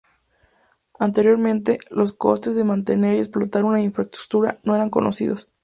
Anteriormente, los costes de mantener y explotar una infraestructura no eran conocidos.